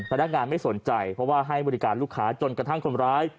พนักงานไม่สนใจเพราะว่าให้บริการลูกค้าจนกระทั่งคนร้าย